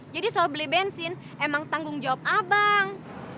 jadi soal beli bensin emang tanggung jawab abang